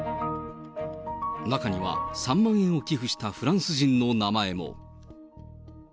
中には、３万円を寄付したフランス人の名前も。